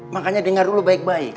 makanya dengar dulu baik baik